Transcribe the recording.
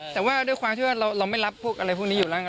แต่ว่าด้วยความที่ว่าเราไม่รับพวกอะไรพวกนี้อยู่แล้วไง